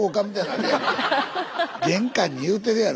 玄関に言うてるやろ？